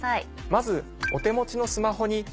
まずお手持ちのスマホに。